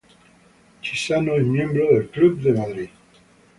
Chissano es miembro del Club de Madrid.